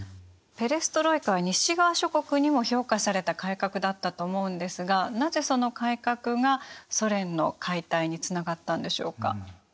ペレストロイカは西側諸国にも評価された改革だったと思うんですがなぜその改革がソ連の解体につながったんでしょうか？